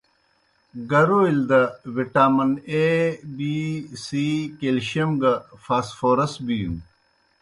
گَرَولِیْ دہ وٹامن اے، بی، سی، کیلشیم گہ فاسفورس بِینوْ۔